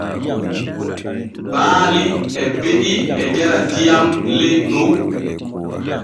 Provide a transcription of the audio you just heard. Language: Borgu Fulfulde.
Baali e be’i e jara diyam ley ɗon.